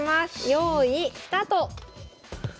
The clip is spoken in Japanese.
用意スタート。